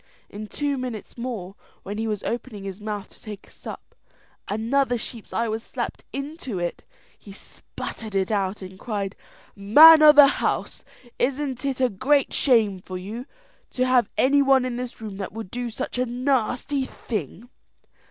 In two minutes more, when he was opening his mouth to take a sup, another sheep's eye was slapped into it. He sputtered it out, and cried, "Man o' the house, isn't it a great shame for you to have any one in the room that would do such a nasty thing?"